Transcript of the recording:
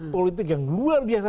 politik yang luar biasa